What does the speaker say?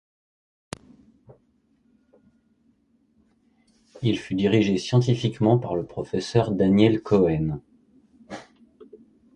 Il fut dirigé scientifiquement par le professeur Daniel Cohen.